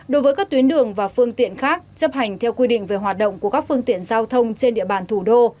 đối với các tuyến đường và phương tiện khác chấp hành theo quy định về hoạt động của các phương tiện giao thông trên địa bàn thủ đô